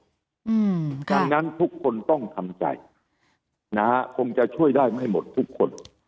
ดังนั้นทุกคนต้องทำใจนะฮะคงจะช่วยได้ไม่หมดทุกคน